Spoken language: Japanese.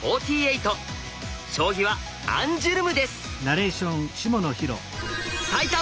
将棋はアンジュルムです。